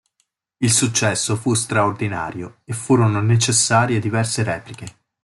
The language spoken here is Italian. Il successo fu straordinario, e furono necessarie diverse repliche.